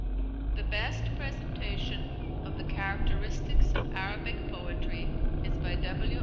The best presentation of the characteristics of Arabic poetry is by W.